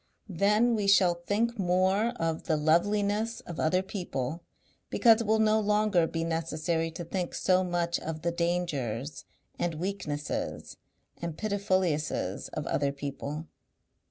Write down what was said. Then we shall think more of the loveliness of other people because it will no longer be necessary to think so much of the dangers and weaknesses and pitifulliesses of other people.